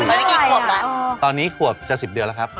ตอนนี้กี่ขวบแล้วตอนนี้ขวบจะ๑๐เดือนแล้วครับ